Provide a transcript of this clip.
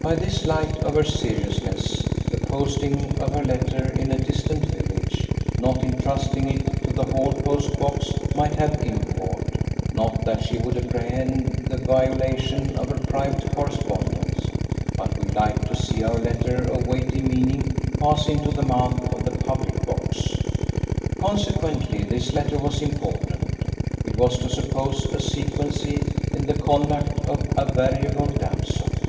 By this light of her seriousness, the posting of her letter in a distant village, not entrusting it to the Hall post box, might have import; not that she would apprehend the violation of her private correspondence, but we like to see our letter of weighty meaning pass into the mouth of the public box. Consequently this letter was important. It was to suppose a sequency in the conduct of a variable damsel.